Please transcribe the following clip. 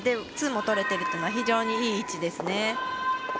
ツーもとれてるというのは非常にいい位置ですね。